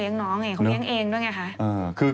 เขาก็ยังต้องเลี้ยงน้องเนี่ย